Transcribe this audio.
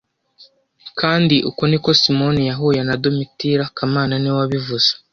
Kandi uko ni ko Simoni yahuye na Domitira kamana niwe wabivuze